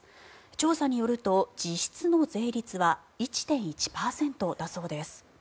調査によると、実質の税率は１．１％だそうです。